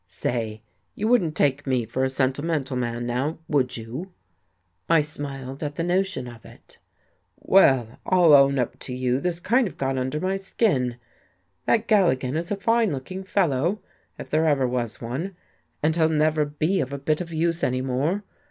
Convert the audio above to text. "Say, you wouldn't take me for a sentimental man, now, would you?" I smiled at the notion of it. "Well, I'll own up to you this kind of got under my skin. That Galligan is a fine looking fellow, if there ever was one, and he'll never be of a bit of use any more.